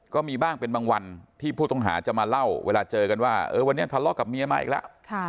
ก็มีบ้างเป็นบางวันที่ผู้ต้องหาจะมาเล่าเวลาเจอกันว่าวันนี้ทะเลาะกับเมียมาอีกแล้ว